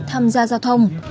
tham gia giao thông